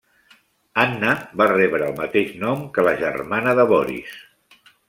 Anna va rebre el mateix nom que la germana de Boris.